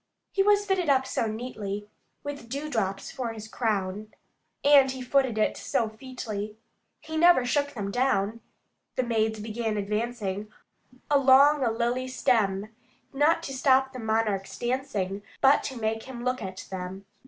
He was fitted up so neatly, With dewdrops for his crown, And he footed it so featly He never shook them down. The maids began advancing, along a lily stem, Not to stop the monarch's dancing, but to make him look at them.